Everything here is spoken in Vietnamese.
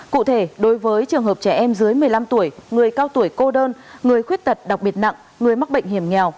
cụ thể đối với trường hợp trẻ em dưới một mươi năm tuổi người cao tuổi cô đơn người khuyết tật đặc biệt nặng người mắc bệnh hiểm nghèo